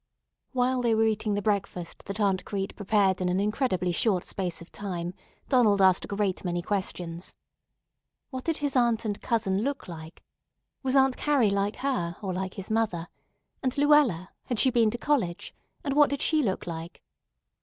While they were eating the breakfast that Aunt Crete prepared in an incredibly short space of time, Donald asked a great many questions. What did his aunt and cousin look like? Was Aunt Carrie like her, or like his mother? And Luella, had she been to college? And what did she look like?